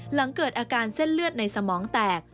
หลังเกิดอาการเส้นเลือดในสมองแตก